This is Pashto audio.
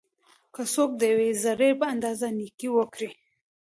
که څوک د یوې ذري په اندازه نيکي وکړي؛